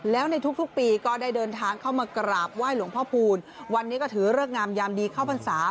แล้วเจอกับไหว้หลวงพ่อพูลวันนี้กระสุนยาลีคเข้าฟันศา